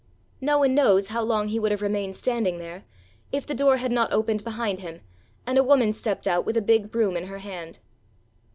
No one knows how long he would have remained standing there if the door had not opened behind him and a woman stepped out with a big broom in her hand.